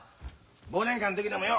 忘年会ん時でもよ